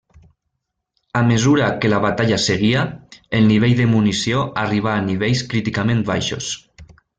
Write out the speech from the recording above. A mesura que la batalla seguia, el nivell de munició arribà a nivells críticament baixos.